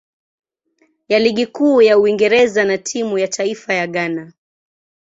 ya Ligi Kuu ya Uingereza na timu ya taifa ya Ghana.